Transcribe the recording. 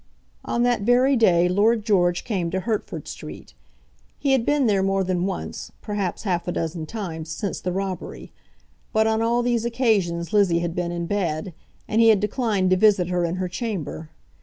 On that very day Lord George came to Hertford Street. He had been there more than once, perhaps half a dozen times, since the robbery; but on all these occasions Lizzie had been in bed, and he had declined to visit her in her chamber.